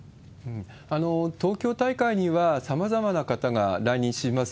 東京大会にはさまざまな方が来日します。